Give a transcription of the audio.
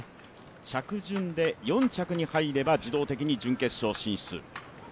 着順で４着に入れば自動的に準決勝進出。